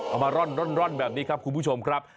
มาร่อนแบบนี้ครับคุณผู้ชมครับ